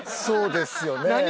そうですよね。